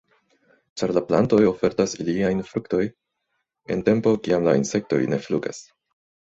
Ĉar la plantoj ofertas iliajn fruktoj en tempo kiam la insektoj ne flugas.